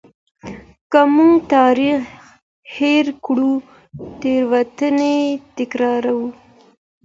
که موږ تاریخ هیر کړو تېروتني تکراروو.